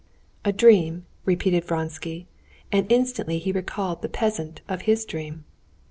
"A dream?" repeated Vronsky, and instantly he recalled the peasant of his dream.